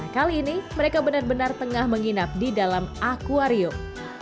kali ini mereka benar benar tengah menginap di dalam akwarium